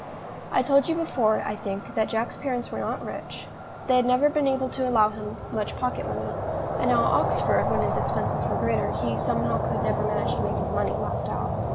I told you before, I think, that Jack's parents were not rich; they had never been able to allow him much pocket money, and now at Oxford, when his expenses were greater, he somehow could never manage to make his money last out.